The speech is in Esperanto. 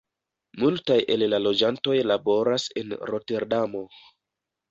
Multaj el la loĝantoj laboras en Roterdamo.